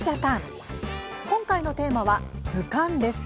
今回のテーマは「図鑑」です。